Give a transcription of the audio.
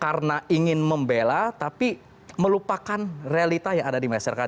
karena ingin membela tapi melupakan realita yang ada di masyarakat